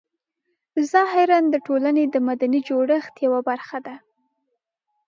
ظاهراً د ټولنې د مدني جوړښت یوه برخه ده.